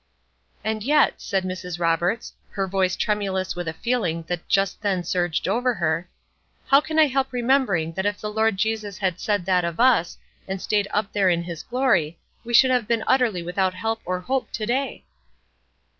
"And yet," said Mrs. Roberts, her voice tremulous with a feeling that just then surged over her, "how can I help remembering that if the Lord Jesus had said that of us, and stayed up there in his glory, we should have been utterly without help or hope to day?"